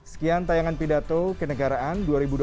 sekian tayangan pidato kenegaraan dua ribu dua puluh